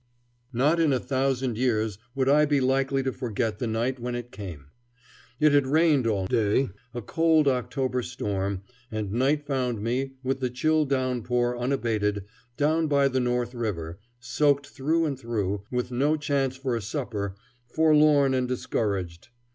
Not in a thousand years would I be likely to forget the night when it came. It had rained all day, a cold October storm, and night found me, with the chill downpour unabated, down by the North River, soaked through and through, with no chance for a supper, forlorn and discouraged.